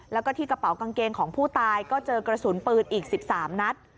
แล้วก็ที่กระเป๋ากางเกงของผู้ตายก็เจอกระสุนปืนอีก๑๓นัด